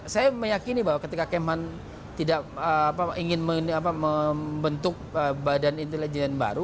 saya meyakini bahwa ketika kemhan tidak ingin membentuk badan intelijen baru